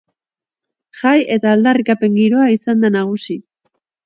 Jai eta aldarrikapen giroa izan da nagusi.